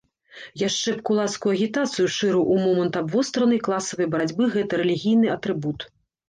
Яшчэ б кулацкую агітацыю шырыў у момант абвостранай класавай барацьбы гэты рэлігійны атрыбут.